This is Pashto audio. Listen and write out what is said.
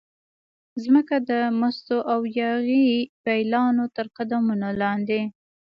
مځکه د مستو او یاغي پیلانو ترقدمونو لاندې